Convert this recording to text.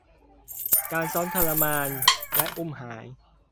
การซ้อมทรมานและอุ้มหาย